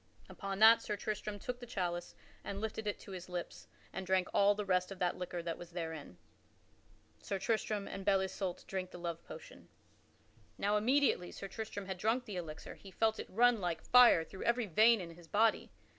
Upon that Sir Tristram took the chalice and lifted it to his lips, and drank all the rest of that liquor that was therein. [Sidenote: Sir Tristram and Belle Isoult drink the love potion] Now immediately Sir Tristram had drunk that elixir he felt it run like fire through every vein in his body.